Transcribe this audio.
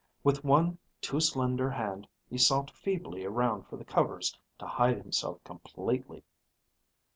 With one too slender hand he sought feebly around for the covers to hide himself completely.